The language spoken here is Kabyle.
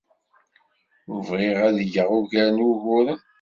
Ur bɣiɣ ad d-geɣ ugar n wuguren.